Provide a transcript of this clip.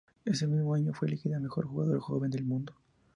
Ese mismo año, fue elegida "Mejor Jugadora Joven del Mundo".